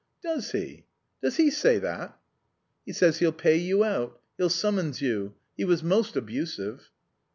"Does he? Does he say that?" "He says he'll pay you out. He'll summons you. He was most abusive."